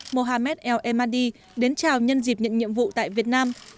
mohammed el mandi đến chào nhân dịp nhận nhiệm vụ tại việt nam